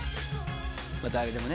誰でもね